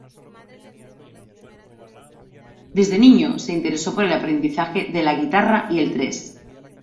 Desde niño se interesó por el aprendizaje de la guitarra y el tres.